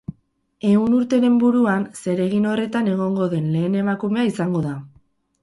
Ehun urteren buruan, zeregin horretan egongo den lehen emakumea izango da.